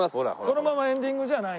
このままエンディングじゃない？